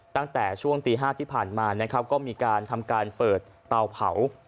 ตั้งแต่ช่วงตี๕ที่ผ่านมานะครับก็มีการทำการเปิดเตาเผา